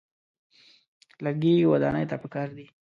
لرګي ودانۍ ته پکار دي.